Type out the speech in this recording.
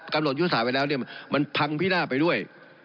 กำหนดยุทธศาสตร์ไปแล้วมันพังพี่หน้าไปด้วย